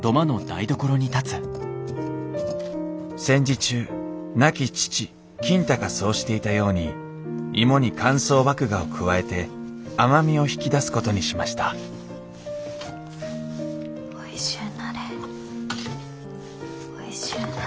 戦時中亡き父金太がそうしていたように芋に乾燥麦芽を加えて甘みを引き出すことにしましたおいしゅうなれ。